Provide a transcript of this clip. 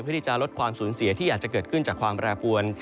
ที่จะลดความสูญเสียที่อาจจะเกิดขึ้นจากความแปรปวน